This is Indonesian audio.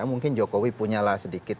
mungkin jokowi punya lah sedikit